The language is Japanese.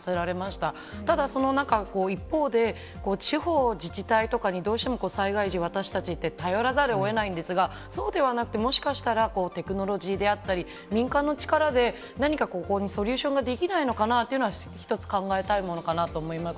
ただ、その中、一方で、地方自治体とかにどうしても災害時、私たちって頼らざるをえないんですが、そうではなくて、もしかしたらテクノロジーであったり、民間の力で何かここにソリューションができないのかなというのは、一つ考えたいものかなと思います。